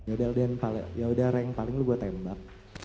ya udah ya udah yang paling lu buat tembak